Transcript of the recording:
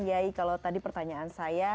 kiai kalau tadi pertanyaan saya